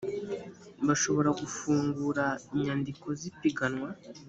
bashobora gufungura inyandiko z’ipiganwa